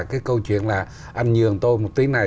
cái câu chuyện là anh nhường tôi một tí này